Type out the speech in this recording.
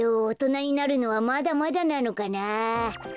おとなになるのはまだまだなのかなあ。